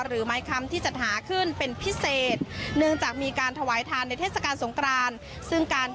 หรือไม้คัมที่จัดหาขึ้นเป็นพิเศษ